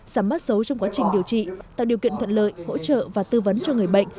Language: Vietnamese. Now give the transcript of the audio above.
sắm bắt sấu trong quá trình điều trị tạo điều kiện thuận lợi hỗ trợ và tư vấn cho người bệnh